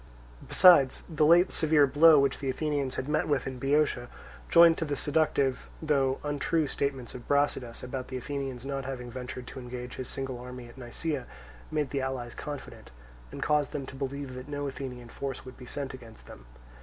Besides the late severe blow which the Athenians had met with in Boeotia, joined to the seductive, though untrue, statements of Brasidas, about the Athenians not having ventured to engage his single army at Nisaea, made the allies confident, and caused them to believe that no Athenian force would be sent against them.